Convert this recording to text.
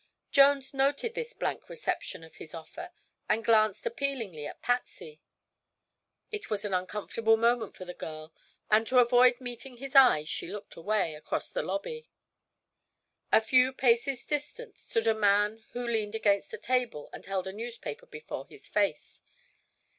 Jones noted this blank reception of his offer and glanced appealingly at Patsy. It was an uncomfortable moment for the girl and to avoid meeting his eyes she looked away, across the lobby. A few paces distant stood a man who leaned against a table and held a newspaper before his face.